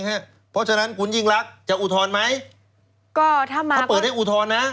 เพราะฉะนั้นคุณยิ่งรักจะอุทธรณ์ไหมก็ถ้ามาถ้าเปิดให้อุทธรณ์นะ